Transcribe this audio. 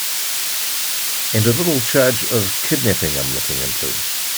And a little charge of kidnapping I'm looking into.